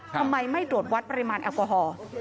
ทำไมไม่ตรวจวัดปริมาณแอลกอฮอล์